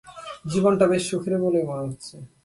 জীবনটা বেশ সুখের বলেই মনে হচ্ছে।